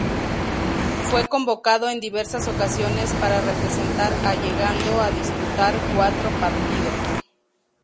Fue convocado en diversas ocasiones para representar a llegando a disputar cuatro partidos.